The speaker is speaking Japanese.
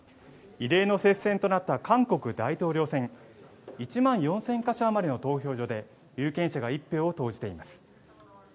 異例の接戦となった韓国大統領選１万４０００か所余りの投票所で有権者が１票を投じています